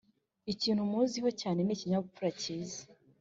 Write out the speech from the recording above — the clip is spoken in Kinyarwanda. ikintu muziho cyane ni ikinyabupfura cyiza